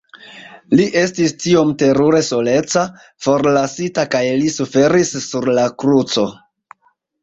Li estis tiom terure soleca, forlasita kaj li suferis sur la kruco..